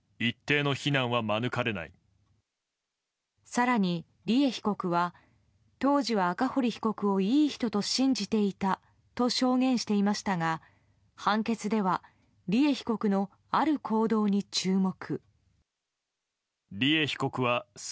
更に、利恵被告は当時は赤堀被告をいい人と信じていたと証言していましたが判決では利恵被告のある行動に注目。